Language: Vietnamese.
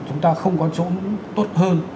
chúng ta không có chỗ tốt hơn